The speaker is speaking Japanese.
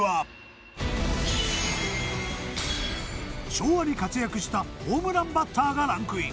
昭和に活躍したホームランバッターがランクイン。